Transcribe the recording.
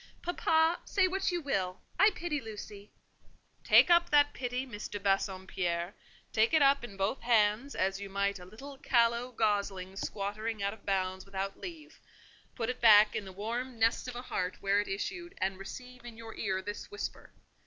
"Papa, say what you will, I pity Lucy." "Take up that pity, Miss de Bassompierre; take it up in both hands, as you might a little callow gosling squattering out of bounds without leave; put it back in the warm nest of a heart whence it issued, and receive in your ear this whisper.